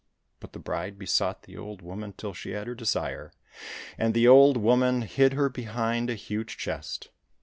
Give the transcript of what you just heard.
But the bride besought the old woman till she had her desire, and the old woman hid her behind a huge chest.